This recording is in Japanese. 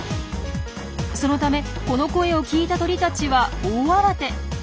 そのためこの声を聞いた鳥たちは大慌て。